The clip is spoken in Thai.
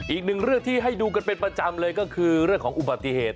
อีกหนึ่งเรื่องที่ให้ดูกันเป็นประจำเลยก็คือเรื่องของอุบัติเหตุ